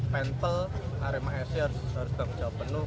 pente rma se harus dalam jawa penuh